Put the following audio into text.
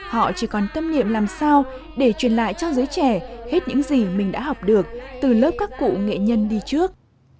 họ chỉ còn tâm niệm làm sao để truyền lại cho giới trẻ hết những gì mình đã học được từ lớp các cụ nghệ nhân đi trước